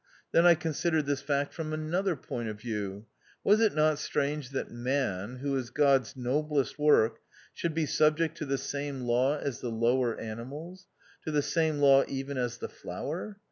Then I considered this fact from another point of view. Was it not strange that Man, who is God's " noblest work," should be sub ject to the same law as the lower animals, to the same law even as the flower